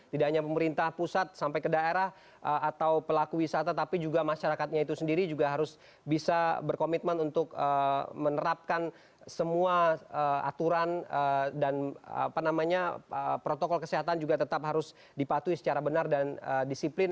tidak hanya pemerintah pusat sampai ke daerah atau pelaku wisata tapi juga masyarakatnya itu sendiri juga harus bisa berkomitmen untuk menerapkan semua aturan dan protokol kesehatan juga tetap harus dipatuhi secara benar dan disiplin